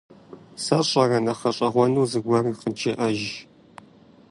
Сэ сщӀэрэ, нэхъ гъэщӀэгъуэну зыгуэр къыджеӀэж.